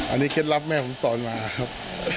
อันนี้เคล็ดลับแม่ผมสอนมาครับ